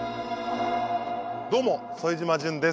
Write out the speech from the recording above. どうも副島淳です。